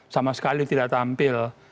sama sekali tidak tampil